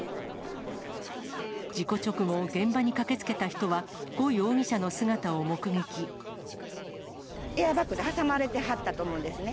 事故直後、現場に駆けつけた人は、エアバッグで挟まれてはったと思うんですね。